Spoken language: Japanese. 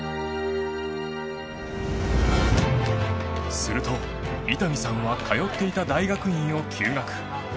すると、伊丹さんは通っていた大学院を休学。